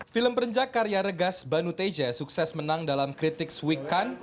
film perenjak karya regas banu teja sukses menang dalam critics week kan